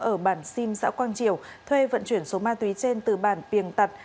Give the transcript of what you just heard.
ở bản sim xã quang triều thuê vận chuyển số ma túy trên từ bản biềng tặt